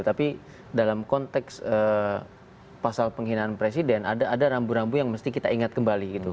tapi dalam konteks pasal penghinaan presiden ada rambu rambu yang mesti kita ingat kembali gitu